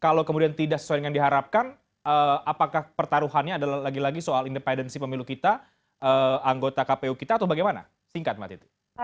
kalau kemudian tidak sesuai dengan diharapkan apakah pertaruhannya adalah lagi lagi soal independensi pemilu kita anggota kpu kita atau bagaimana singkat mbak titi